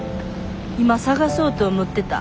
「今探そうと思ってた。